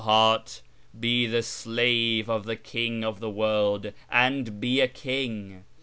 " 0 heart, be the slave of the King of the World, and be a king